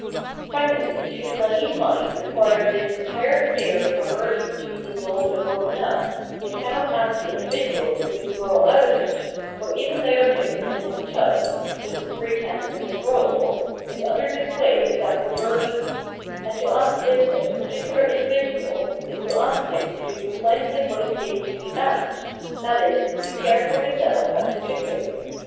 Finally, should the naive mind require this entire sphere of perversion to be dissolved and broken up, it cannot ask the individual to withdraw out of it, for even Diogenes in his tub [with his pretence of withdrawal] is under the sway of that perversion ; and to ask this of the particular individual is to ask him to do pre cisely what is taken to be bad, viz. to care for the self as particular.